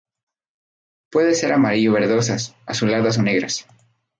Pueden ser amarillo-verdosas, azuladas o negras.